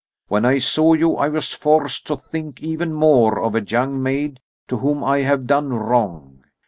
When I saw you I was forced to think even more of a young maid to whom I have done wrong.